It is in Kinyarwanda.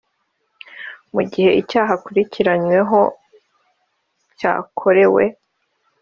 Mu gihe icyaha akurikiranyweho cyakorewe.